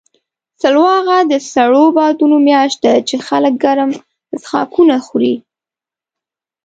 سلواغه د سړو بادونو میاشت ده، چې خلک ګرم څښاکونه خوري.